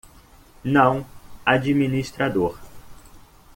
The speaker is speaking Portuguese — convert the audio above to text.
Não administrador